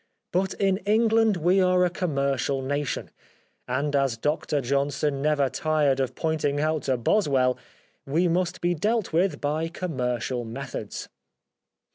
But in Eng land we are a commercial nation, and as Doctor Johnson never tired of pointing out to Boswell, we must be dealt with by commercial methods.